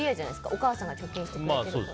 お母さんが貯金してくれているので。